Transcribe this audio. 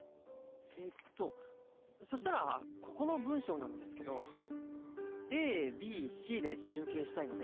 えっとそしたらここの文章なんですけどＡＢＣで集計したいので。